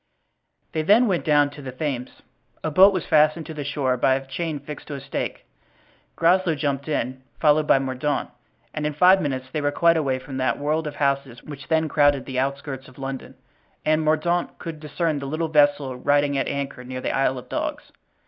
They then went down to the Thames. A boat was fastened to the shore by a chain fixed to a stake. Groslow jumped in, followed by Mordaunt, and in five minutes they were quite away from that world of houses which then crowded the outskirts of London; and Mordaunt could discern the little vessel riding at anchor near the Isle of Dogs.